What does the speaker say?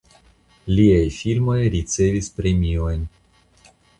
Liaj filmoj ricevis premiojn.